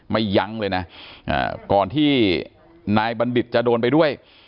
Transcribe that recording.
ยั้งเลยนะก่อนที่นายบัณฑิตจะโดนไปด้วย